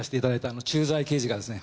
あの『駐在刑事』がですね